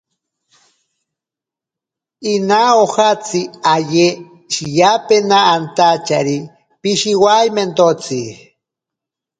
Ina ojatsi aye shiyapena antachari pishiwaimentotsi.